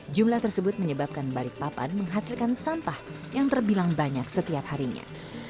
jumlah tersebut menyebabkan balikpapan menghasilkan sampah yang terbilang banyak setiap harinya